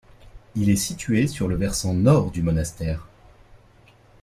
Il est situé sur le versant nord du monastère.